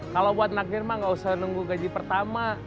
kalau buat nak nirma gak usah nunggu gaji pertama